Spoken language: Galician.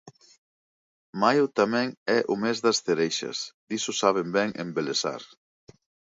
Maio tamén é o mes das cereixas, diso saben ben en Belesar.